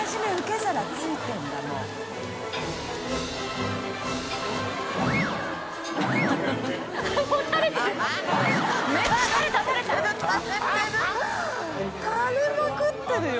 たれまくってるよ。